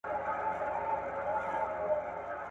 وا به نه وړي د انصاف تله له عدله